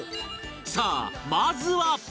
さあまずは